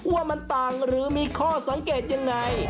ว่ามันต่างหรือมีข้อสังเกตยังไง